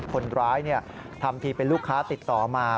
คนร้ายทำทีเป็นลูกค้าติดต่อมา